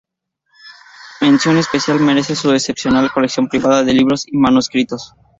Mención especial merece su excepcional colección privada de libros y manuscritos.